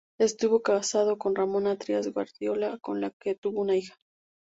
Estuvo casado con Ramona Trías Guardiola, con la que tuvo una hija.